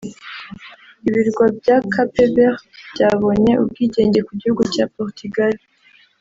Ibirwa bya Cape Verte byabonye ubwigenge ku gihugu cya Portugal